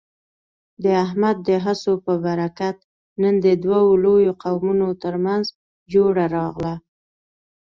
د احمد د هڅو په برکت، نن د دوو لویو قومونو ترمنځ جوړه راغله.